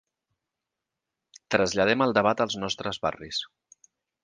Traslladem el debat als nostres barris.